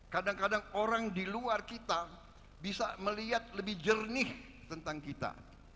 kadang kadang orang di luar kita bisa melihat lebih jernih tentang kita